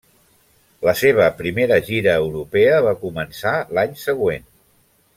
La seva primera gira europea va començar l'any següent.